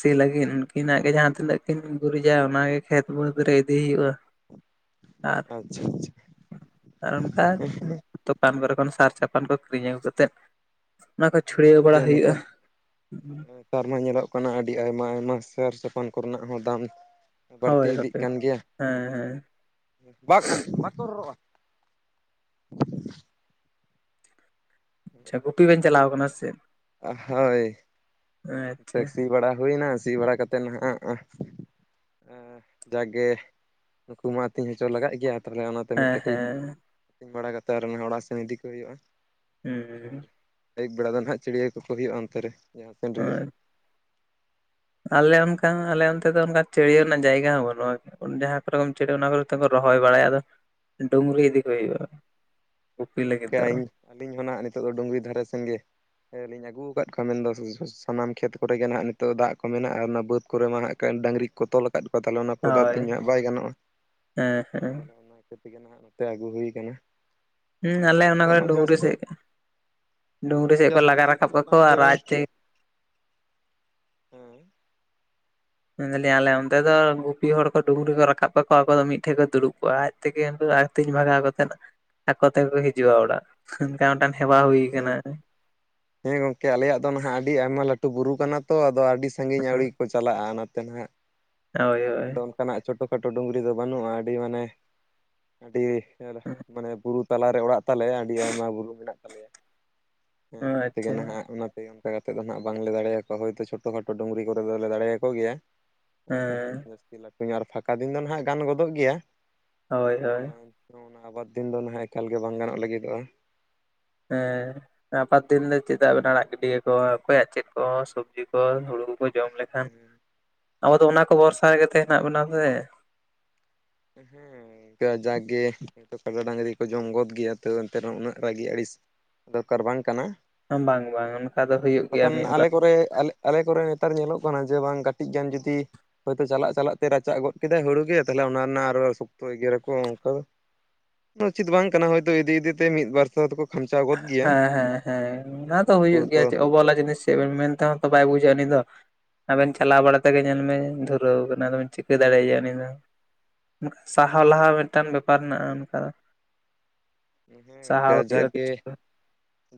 ᱥᱤ ᱞᱟᱹᱜᱤᱫ ᱩᱱᱠᱤᱱᱟᱜ ᱜᱮ ᱡᱟᱦᱟᱸ ᱛᱤᱱᱟᱹᱜ ᱠᱤᱱ ᱜᱩᱨᱤᱡᱟ ᱚᱱᱟ ᱜᱮ ᱠᱷᱮᱛ ᱵᱟᱹᱫᱽ ᱨᱮ ᱤᱫᱤ ᱦᱩᱭᱩᱜ-ᱟ ᱟᱨ ᱟᱪᱪᱷᱟ ᱟᱪᱪᱷᱟ ᱟᱨ ᱚᱱᱠᱟᱱ ᱫᱚᱠᱟᱱ ᱠᱚᱨᱮ ᱠᱷᱚᱱ ᱥᱟᱨ ᱪᱟᱯᱟᱱ ᱠᱚ ᱠᱤᱨᱤᱧ ᱟᱹᱜᱩ ᱠᱟᱛᱮᱜ ᱚᱱᱟ ᱠᱚ ᱦᱮᱸ ᱪᱷᱩᱲᱭᱟᱹᱣ ᱜᱚᱝᱠᱮ ᱵᱟᱲᱟ ᱦᱩᱭᱩᱜ-ᱟ ᱱᱮᱛᱟᱨ ᱱᱮᱛᱟᱨ ᱢᱟ ᱧᱮᱞᱚᱜ ᱠᱟᱱᱟ ᱟᱹᱰᱤ ᱟᱭᱢᱟ ᱟᱭᱢᱟ ᱥᱟᱨ ᱯᱟᱱ ᱠᱚ ᱨᱮᱱᱟᱜ ᱦᱚᱸ ᱫᱟᱢ ᱵᱟᱹᱲᱛᱤ ᱦᱳᱭ ᱤᱫᱤᱜ ᱦᱳᱭ ᱠᱟᱱ ᱜᱮᱭᱟ ᱦᱮᱸ ᱦᱮᱸ ᱵᱟᱝ-ᱟ ᱵᱟᱠᱚ ᱨᱚᱨᱚᱜ-ᱟ ᱟᱪᱪᱷᱟ ᱜᱩᱯᱤ ᱵᱮᱱ ᱪᱟᱞᱟᱣ ᱟᱠᱟᱱᱟ ᱥᱮᱜ ᱦᱳᱭ ᱥᱤ ᱵᱟᱲᱟ ᱦᱩᱭᱱᱟ ᱥᱤ ᱵᱟᱲᱟ ᱠᱟᱛᱮ ᱛᱮ ᱱᱟᱦᱟᱜ-ᱟ ᱡᱟᱜᱮ ᱱᱩᱠᱩ ᱢᱟ ᱟᱹᱛᱤᱧ ᱦᱚᱪᱚ ᱞᱟᱜᱟᱜ ᱜᱮᱭᱟ ᱛᱟᱦᱚᱞᱮ ᱚᱱᱟ ᱛᱮ ᱢᱤᱫ ᱦᱮᱸ ᱠᱟᱹᱴᱤᱡ ᱦᱮᱸ ᱟᱹᱛᱤᱧ ᱵᱟᱲᱟ ᱠᱟᱛᱮ ᱟᱨ ᱚᱲᱟᱜ ᱥᱮᱱ ᱤᱫᱤ ᱠᱚ ᱦᱩᱭᱩᱜ-ᱟ ᱟᱨ ᱦᱩᱸ ᱟᱹᱭᱩᱵ ᱵᱮᱲᱟ ᱫᱚ ᱱᱟᱦᱟᱸᱜ ᱪᱤᱲᱭᱟᱹ ᱠᱚᱠᱚ ᱦᱩᱭᱩᱜ-ᱟ ᱚᱱᱛᱮ ᱨᱮ ᱡᱟᱦᱟᱸ ᱥᱮᱱ ᱨᱮᱜᱮ ᱦᱳᱭ ᱟᱞᱮ ᱚᱱᱠᱟ ᱟᱞᱮ ᱚᱱᱛᱮ ᱫᱚ ᱚᱱᱠᱟ ᱪᱤᱲᱭᱟᱹ ᱨᱮᱱᱟᱜ ᱡᱟᱭᱜᱟ ᱦᱚᱸ ᱵᱟᱹᱱᱩᱜ-ᱟ ᱡᱟᱦᱟᱸ ᱠᱚᱨᱮ ᱵᱚᱱ ᱪᱤᱲᱭᱟᱹ ᱚᱱᱟ ᱠᱚᱨᱮ ᱛᱮ ᱠᱚ ᱨᱚᱦᱚᱭ ᱵᱟᱲᱟᱭᱟ ᱟᱫᱚ ᱰᱩᱝᱨᱤ ᱤᱫᱤ ᱠᱚ ᱦᱩᱭᱩᱜ-ᱟ ᱦᱮᱸ ᱜᱚᱝᱠᱮ ᱤᱧ ᱟᱹᱞᱤᱧ ᱦᱚᱸ ᱱᱟᱜ ᱱᱤᱛᱚᱜ ᱫᱚ ᱰᱩᱝᱨᱤ ᱫᱷᱟᱨᱮ ᱥᱮᱱ ᱜᱮ ᱦᱮᱸ ᱞᱤᱧ ᱟᱹᱜᱩ ᱟᱠᱟᱫ ᱠᱚᱣᱟ ᱢᱮᱱ ᱫᱚ ᱥᱟᱱᱟᱢ ᱠᱷᱮᱛ ᱠᱚᱨᱮ ᱜᱮ ᱱᱟᱦᱟᱜ ᱱᱤᱛᱚᱜ ᱫᱟᱜ ᱠᱚ ᱢᱮᱱᱟᱜ-ᱟ ᱚᱱᱟ ᱵᱟᱹᱫᱽ ᱠᱚᱨᱮ ᱢᱟ ᱦᱟᱜ ᱰᱟᱝᱨᱤ ᱠᱚ ᱛᱚᱞ ᱟᱠᱟᱫ ᱠᱚᱣᱟ ᱛᱟᱦᱚᱞᱮ ᱚᱱᱟ ᱠᱚᱨᱮ ᱫᱚ ᱦᱳᱭ ᱟᱹᱛᱤᱧ ᱦᱟᱜ ᱵᱟᱭ ᱜᱟᱱᱚᱜ-ᱟ ᱦᱮᱸ ᱟᱨ ᱦᱮᱸ ᱛᱟᱦᱚᱞᱮ ᱚᱱᱟᱼᱼ ᱤᱱᱟᱹ ᱛᱮᱜᱮ ᱱᱟᱜ ᱱᱚᱛᱮ ᱟᱹᱜᱩ ᱦᱩᱭ ᱟᱠᱟᱱᱟ ᱦᱩᱸ ᱟᱞᱮ ᱟᱨ ᱚᱱᱟ ᱱᱤᱛᱚᱜ ᱠᱚᱨᱮ ᱢᱟ ᱰᱩᱝᱨᱤ ᱡᱟᱹᱥᱛᱤ ᱥᱮᱡ ᱰᱩᱝᱨᱤ ᱱᱤᱛᱚᱜ ᱥᱮᱡ ᱠᱚ ᱡᱟᱹᱥᱛᱤ ᱞᱟᱜᱟ ᱱᱟᱦᱟᱜ ᱨᱟᱠᱟᱵ ᱧᱮᱞᱚᱜ ᱠᱟᱱᱟ ᱠᱟᱠᱚᱣᱟ ᱡᱮ ᱟᱨ ᱵᱟᱝ ᱟᱡᱛᱮ ᱦᱮᱸ ᱢᱮᱱ ᱫᱟᱞᱤᱧ ᱟᱞᱮ ᱚᱱᱛᱮ ᱫᱚ ᱜᱩᱯᱤ ᱦᱚᱲ ᱠᱚ ᱰᱩᱝᱨᱤ ᱠᱚ ᱨᱟᱠᱟᱵ ᱠᱟᱠᱚᱣᱟ ᱟᱠᱚ ᱫᱚ ᱢᱤᱫᱴᱷᱮᱡ ᱠᱚ ᱫᱩᱲᱩᱵ ᱠᱚᱜ-ᱟᱡ ᱛᱮᱜᱮ ᱚᱱᱠᱚ ᱟᱛᱤᱧ ᱵᱷᱟᱜᱟᱣ ᱠᱟᱛᱮᱫ ᱟᱠᱚ ᱛᱮᱜᱮᱠᱚ ᱦᱤᱡᱩᱜ-ᱟ ᱚᱲᱟᱜ ᱚᱱᱠᱟ ᱢᱤᱫᱴᱟᱱ ᱦᱮᱣᱟ ᱦᱩᱭ ᱦᱮᱸ ᱟᱠᱟᱱᱟ ᱦᱮᱸ ᱜᱚᱝᱠᱮ ᱟᱞᱮᱭᱟᱜ ᱫᱚ ᱱᱟᱦᱟᱜ ᱟᱹᱰᱤ ᱟᱭᱢᱟ ᱞᱟᱹᱴᱩ ᱵᱩᱨᱩ ᱠᱟᱱᱟ ᱛᱚ ᱟᱫᱚ ᱟᱹᱰᱤ ᱥᱟᱺᱜᱤᱧ ᱟᱹᱣᱲᱤ ᱠᱚᱼᱼ ᱪᱟᱞᱟᱜ-ᱟ ᱱᱚᱛᱮ ᱦᱟᱸᱜ ᱦᱳᱭ ᱢᱮᱱ ᱦᱳᱭ ᱫᱚ ᱚᱱᱠᱟᱱᱟᱜ ᱪᱷᱳᱴᱳ ᱠᱷᱟᱴᱳ ᱰᱩᱝᱨᱤ ᱫᱚ ᱵᱟᱹᱱᱩᱜ-ᱟ ᱟᱹᱰᱤ ᱢᱟᱱᱮ ᱟᱹᱰᱤ ᱢᱟᱱᱮ ᱵᱩᱨᱩ ᱛᱟᱞᱟ ᱨᱮ ᱚᱲᱟᱜ ᱛᱟᱞᱮ ᱟᱹᱰᱤ ᱟᱭᱢᱟ ᱵᱩᱨᱩ ᱢᱮᱱᱟᱜ ᱛᱟᱞᱮᱭᱟ ᱦᱮᱸ ᱚᱱᱟ ᱛᱮᱜᱮ ᱟᱪᱪᱷᱟ ᱱᱟᱦᱟᱜ ᱚᱱᱟᱼᱼ ᱚᱱᱠᱟ ᱠᱟᱛᱮ ᱫᱚ ᱦᱟᱸᱜ ᱵᱟᱝᱞᱮ ᱫᱟᱲᱮᱭᱟ ᱠᱚᱣᱟ ᱦᱳᱭᱛᱳ ᱪᱷᱳᱴᱳ ᱠᱷᱟᱴᱚ ᱰᱩᱝᱨᱤ ᱠᱚᱨᱮ ᱫᱚᱞᱮ ᱫᱟᱲᱮᱭ ᱟᱠᱚ ᱜᱮᱭᱟ ᱟᱨ ᱦᱮᱸ ᱡᱟᱹᱥᱛᱤ ᱡᱟᱹᱥᱛᱤ ᱞᱟᱹᱴᱩ ᱧᱚᱜ ᱟᱨ ᱯᱷᱟᱸᱠᱟ ᱫᱤᱱ ᱫᱚ ᱱᱟᱦᱟᱜ ᱜᱟᱱ ᱜᱚᱫᱚᱜ ᱜᱮᱭᱟ ᱦᱳᱭ ᱦᱳᱭ ᱟᱨ ᱚᱱᱟ ᱟᱵᱟᱫᱽ ᱫᱤᱱ ᱫᱚ ᱱᱟᱦᱟᱜ ᱮᱠᱟᱞ ᱜᱮ ᱵᱟᱝ ᱜᱟᱱᱚᱜ ᱞᱟᱹᱜᱤᱫᱚᱜ-ᱟ ᱦᱮᱸ ᱟᱯᱟᱫᱽ ᱫᱤᱱ ᱫᱚ ᱪᱮᱫᱟᱜ ᱵᱮᱱ ᱟᱲᱟᱜ ᱜᱤᱰᱤ ᱠᱟᱠᱚᱣᱟ ᱚᱠᱚᱭᱟᱜ ᱪᱮᱫ ᱠᱚ ᱥᱚᱵᱡᱤ ᱠᱚ ᱦᱩᱲᱩ ᱠᱚ ᱡᱚᱢ ᱞᱮᱠᱷᱟᱱ ᱦᱮᱸ ᱟᱵᱚ ᱫᱚ ᱚᱱᱟ ᱠᱚ ᱵᱷᱚᱨᱥᱟ ᱨᱮᱜᱮ ᱛᱚ ᱦᱮᱱᱟᱜ ᱵᱚᱱᱟ ᱥᱮ ᱦᱮᱸ ᱤᱱᱠᱟᱹ ᱡᱟᱜᱜᱮ ᱠᱟᱰᱟ ᱰᱟᱹᱝᱨᱤ ᱠᱚ ᱡᱚᱢ ᱜᱚᱫ ᱜᱮᱭᱟ ᱛᱟᱹᱣ ᱮᱱᱛᱮ ᱨᱮᱦᱚᱸ ᱩᱱᱟᱹᱜ ᱨᱟᱹᱜᱤ ᱟᱹᱲᱤᱥ ᱫᱚᱨᱠᱟᱨ ᱵᱟᱝ ᱠᱟᱱᱟ ᱵᱟᱝ ᱵᱟᱝ ᱚᱱᱠᱟ ᱫᱚ ᱦᱩᱭᱩᱜ ᱜᱮᱭᱟ ᱵᱟᱠᱷᱟᱱ ᱢᱤᱫ ᱟᱞᱮ ᱵᱟᱨ ᱠᱚᱨᱮ ᱟᱞᱮᱼᱼ ᱟᱞᱮ ᱠᱚᱨᱮ ᱱᱮᱛᱟᱨ ᱧᱮᱞᱚᱜ ᱠᱟᱱᱟ ᱡᱮ ᱵᱟᱝ ᱠᱟᱹᱴᱤᱡ ᱜᱟᱱ ᱡᱩᱫᱤ ᱦᱳᱭᱛᱳ ᱪᱟᱞᱟᱜ ᱪᱟᱞᱟᱜ ᱛᱮ ᱨᱟᱪᱟᱜ ᱜᱚᱫ ᱠᱮᱫᱟᱭ ᱦᱩᱲᱩ ᱜᱮ ᱛᱟᱦᱚᱞᱮ ᱚᱱᱟ ᱨᱮᱱᱟᱜ ᱟᱨᱚ ᱥᱚᱠᱛᱚ ᱮᱜᱮᱨᱟᱠᱚ ᱚᱱᱠᱟᱼᱼ ᱩᱪᱤᱛ ᱵᱟᱝ ᱠᱟᱱᱟ ᱦᱚᱭᱛᱳ ᱤᱫᱤ ᱤᱫᱤ ᱛᱮ ᱢᱤᱫ ᱵᱟᱨ *unintelligible* ᱫᱚᱠᱚ ᱠᱷᱟᱢᱪᱟᱣ ᱜᱚᱫ ᱜᱮᱭᱟ ᱦᱮᱸ ᱦᱮᱸ ᱦᱮᱸ ᱚᱱᱟ ᱫᱚ ᱩᱱᱠᱩ ᱦᱩᱭᱩᱜ ᱜᱮᱭᱟ ᱛᱚ ᱡᱮ ᱚᱵᱚᱦᱮᱞᱟ ᱡᱤᱱᱤᱥ ᱪᱮᱫ ᱵᱮᱱ ᱢᱮᱱ ᱛᱮᱦᱚᱸ ᱛᱚ ᱵᱟᱭ ᱵᱩᱡᱷᱟᱹᱜ-ᱟ ᱩᱱᱤ ᱫᱚ ᱟᱵᱮᱱ ᱦᱮᱸ ᱪᱟᱞᱟᱣ ᱵᱟᱲᱟ ᱛᱮᱜᱮ ᱧᱮᱞ ᱢᱮ ᱫᱷᱩᱛ ᱯᱩᱨᱟᱹᱣ ᱠᱟᱱᱟ ᱟᱫᱚ ᱵᱮᱱ ᱪᱤᱠᱟᱹ ᱫᱟᱲᱮᱟᱭᱟ ᱩᱱᱤ ᱫᱚᱼᱼ ᱥᱟᱦᱟᱣ ᱞᱟᱦᱟ ᱢᱤᱫᱴᱟᱝ ᱵᱮᱯᱟᱨ ᱦᱮᱱᱟᱜ ᱚᱱᱠᱟᱼᱼ ᱦᱮᱸ ᱜᱚᱝᱠᱮ ᱡᱟᱠ ᱦᱩᱭᱩᱜᱼᱟ ᱜᱮ, ᱠᱤᱪᱷᱩ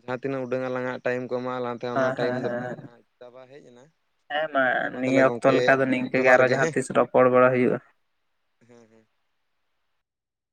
ᱡᱟᱦᱟᱸ ᱛᱤᱱᱟᱹᱜ ᱩᱰᱟᱹᱝ ᱟᱞᱟᱝᱟᱜ ᱴᱟᱭᱤᱢ ᱠᱚ ᱮᱢᱟᱜ ᱞᱟᱝᱼᱼ ᱚᱱᱟ ᱦᱮᱸ ᱦᱮᱸ ᱴᱟᱭᱤᱢ ᱫᱚ ᱯᱨᱟᱭ ᱦᱮᱸ ᱱᱟᱜ ᱪᱟᱵᱟ ᱦᱮᱡ ᱮᱱᱟ ᱾ ᱦᱮᱸ ᱢᱟ ᱱᱤᱭᱟᱹ ᱚᱠᱛᱚ ᱞᱮᱠᱟ ᱫᱚ ᱱᱤᱝᱠᱟᱹ ᱜᱮ ᱡᱚᱦᱟᱨ ᱟᱨᱚ ᱡᱟᱦᱟᱸ ᱦᱮᱸ ᱛᱤᱥ ᱨᱚᱯᱚᱲ ᱵᱟᱲᱟ ᱦᱩᱭᱩᱜᱼᱟ ᱾ ᱦᱮᱸ ᱦᱮᱸ ᱾